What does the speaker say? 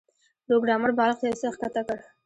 پروګرامر بالښت یو څه ښکته کړ